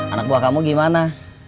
anak buah kamu gimana